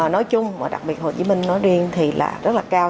nói chung và đặc biệt hồ chí minh nói riêng thì là rất là cao